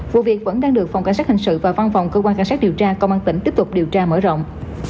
vụ việc vẫn đang được phòng cảnh sát hình sự và văn phòng cơ quan cảnh sát điều tra công an tỉnh tiếp tục điều tra mở rộng